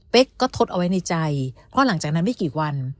ก็ทดเอาไว้ในใจเพราะหลังจากนั้นไม่กี่วัน